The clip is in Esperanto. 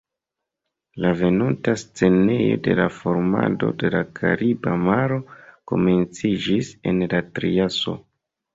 La venonta scenejo de la formado de la Kariba maro komenciĝis en la Triaso.